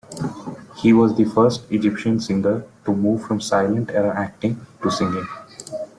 He was the first Egyptian singer to move from silent-era acting to singing.